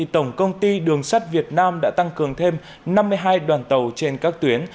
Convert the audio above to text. tổng công ty đường sắt việt nam đã tăng cường thêm năm mươi hai đoàn tàu trên các tuyến